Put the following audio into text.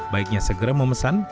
baiknya segera memesan